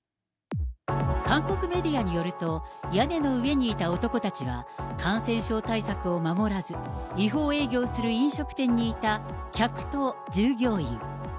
韓国メディアによると、屋根の上にいた男たちは感染症対策を守らず、違法営業する飲食店にいた客と従業員。